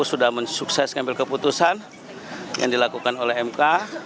saya mengambil keputusan yang dilakukan oleh mk